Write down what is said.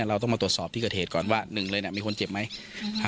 เราต้องมาตรวจสอบที่เกิดเหตุก่อนว่าหนึ่งเลยน่ะมีคนเจ็บไหม